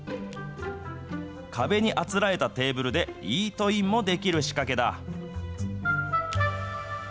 壁にあつらえたテーブルでイートインもできる仕掛けだ。